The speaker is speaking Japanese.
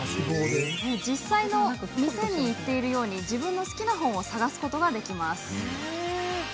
実際の店に行っているように自分の好きな本を探すことができるんです。